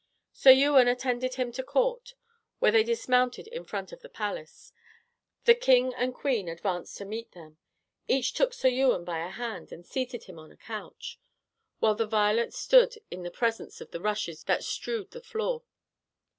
Sir Ewain attended him to court, where they dismounted in front of the palace; the king and queen advanced to meet them; each took Sir Ewain by a hand, and seated him on a couch, while the varlet stood in their presence on the rushes that strewed the floor.